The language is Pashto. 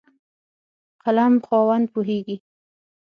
قلم خاوند پوهېږي.